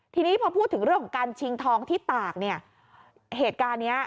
ทีนี้พอพูดถึงเรื่องของการชิงทองที่ตากเนี่ยเหตุการณ์เนี้ย